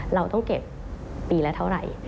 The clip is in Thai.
เราต้องเก็บปีละเท่าไหร่